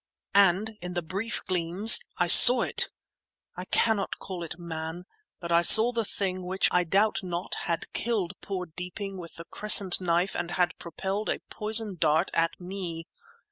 And in the brief gleams I saw it! I cannot call it man, but I saw the thing which, I doubt not, had killed poor Deeping with the crescent knife and had propelled a poison dart at me.